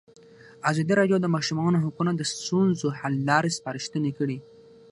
ازادي راډیو د د ماشومانو حقونه د ستونزو حل لارې سپارښتنې کړي.